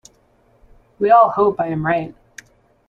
We all hope I am right.